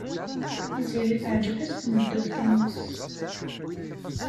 Tiziri teɛjeb-as tmeddurt-nnes.